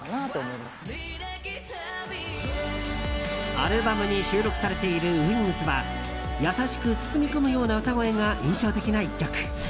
アルバムに収録されている「Ｗｉｎｇｓ」は優しく包み込むような歌声が印象的な１曲。